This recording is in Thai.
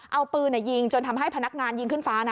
เอาปืนยิงจนทำให้พนักงานยิงขึ้นฟ้านะ